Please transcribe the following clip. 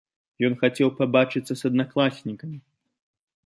Ён хацеў пабачыцца з аднакласнікам.